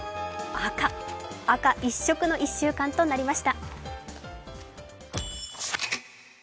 赤一色の１週間となりました。